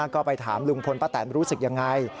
ก็ไปถามลุงพลป้าแตนรู้สึกยังไง